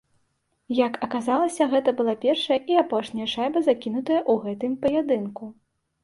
Як аказалася, гэта была першая і апошняя шайба, закінутая ў гэтым паядынку.